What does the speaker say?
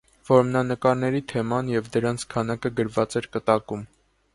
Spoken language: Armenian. Որմնանկարների թեման և դրանց քանակը գրված էր կտակում։